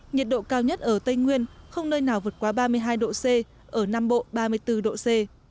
nhiệt độ cao nhất ở tây nguyên không nơi nào vượt qua ba mươi hai độ c ở nam bộ ba mươi bốn độ c